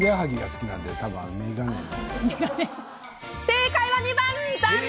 正解は２番！